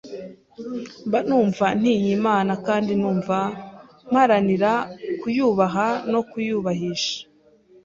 mba numva ntinye Imana kandi numva mparanira kuyubaha no kuyubahisha